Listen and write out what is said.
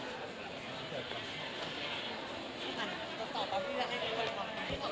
ก็พิกัดที่จะเป็นที่นักไม้สะพานขออนุญาตให้บริการี่สุดท้าย